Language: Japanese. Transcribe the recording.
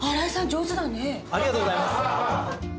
ありがとうございます。